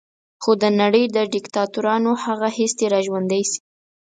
خو د نړۍ د دیکتاتورانو هغه حس دې را ژوندی شي.